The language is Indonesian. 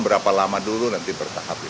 berapa lama dulu nanti bertahap